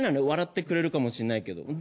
笑ってくれるかもしれないけど。